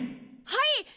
はい！